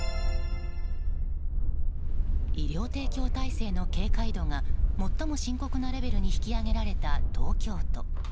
医療提供体制の警戒度が最も深刻なレベルに引き上げられた東京都。